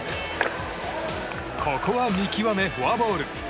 ここは見極めフォアボール。